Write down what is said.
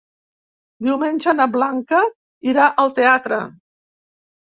Diumenge na Blanca irà al teatre.